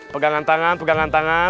pegangan tangan pegangan tangan